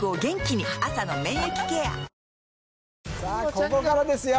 ここからですよ